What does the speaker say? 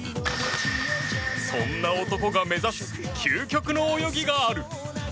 そんな男が目指す究極の泳ぎがある。